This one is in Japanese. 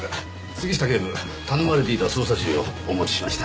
杉下警部頼まれていた捜査資料をお持ちしました。